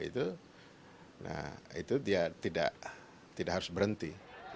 itu dia tidak harus berhenti